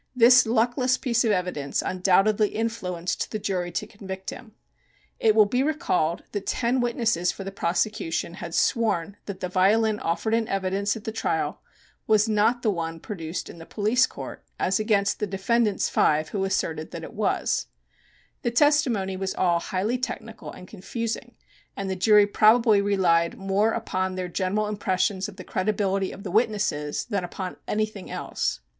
This luckless piece of evidence undoubtedly influenced the jury to convict him. It will be recalled that ten witnesses for the prosecution had sworn that the violin offered in evidence at the trial was not the one produced in the police court, as against the defendant's five who asserted that it was. The testimony was all highly technical and confusing, and the jury probably relied more upon their general impressions of the credibility of the witnesses than upon anything else.